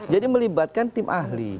jadi melibatkan tim ahli